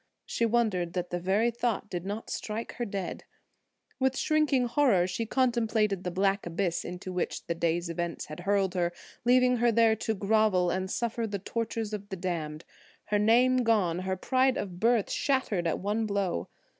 She wondered that the very thought did not strike her dead. With shrinking horror she contemplated the black abyss into which the day's events had hurled her, leaving her there to grovel and suffer the tortures of the damned. Her name gone, her pride of birth shattered at one blow!